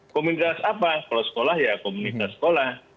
komunitas apa kalau sekolah ya komunitas sekolah